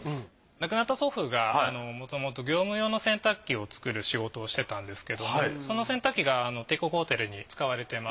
亡くなった祖父がもともと業務用の洗濯機を作る仕事をしてたんですけどもその洗濯機が帝国ホテルに使われてまして。